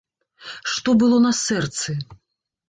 Што было на сэрцы.